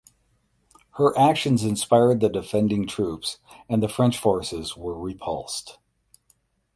Her actions inspired the defending troops and the French forces were repulsed.